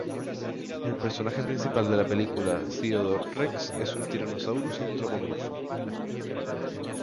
El personaje principal de la película "Theodore Rex" es un "Tyrannosaurus" antropomorfo.